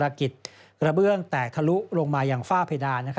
เรือเครื่องแตกทลุลงมาอย่างฟ้าเพดาน